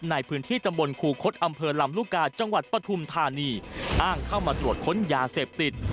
ในพื้นที่จังหวัดปฐุมธานีอ้างเข้ามาตรวจค้นยาเสพติด